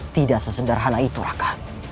tidak sesederhana itu raka